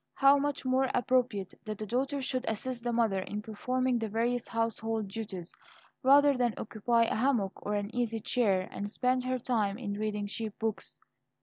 How much more appropriate that the daughter should assist the mother in performing the various household duties, rather than occupy a hammock or an easy chair, and spend her time in reading cheap books!